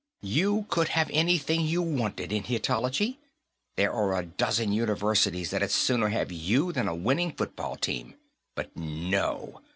"You could have anything you wanted, in Hittitology. There are a dozen universities that'd sooner have you than a winning football team. But no!